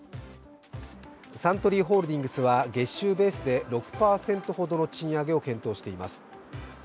サントリーホールディングスは月収ベースで６％ほどの賃上げを検討しています